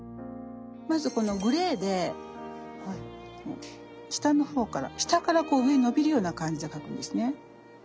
まずこのグレーで下の方から下からこう上に伸びるような感じで描くんですね。